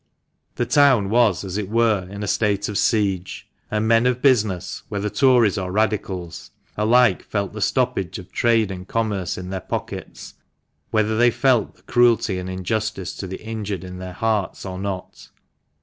The town was, as it were, in a state of siege ; and men of business, whether Tories or Radicals, alike felt the stoppage of THE MANCHESTER MAN. 189 trade and commerce in their pockets, whether they felt the cruelty and injustice to the injured in their hearts or not.